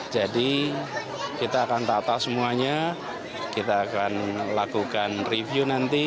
jadi kita akan tata semuanya kita akan lakukan review nanti